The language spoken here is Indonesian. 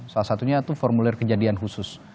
salah satunya itu formulir kejadian khusus